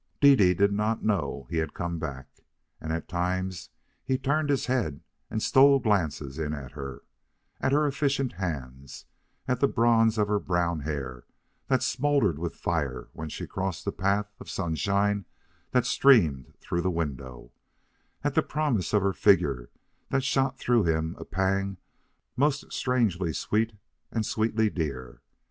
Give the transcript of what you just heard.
Dede did not know he had come back, and at times he turned his head and stole glances in at her at her efficient hands, at the bronze of her brown hair that smouldered with fire when she crossed the path of sunshine that streamed through the window, at the promise of her figure that shot through him a pang most strangely sweet and sweetly dear.